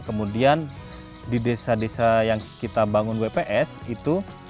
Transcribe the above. kemudian di desa desa yang kita bangun wps itu